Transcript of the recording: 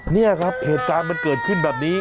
นี่ครับเหตุการณ์มันเกิดขึ้นแบบนี้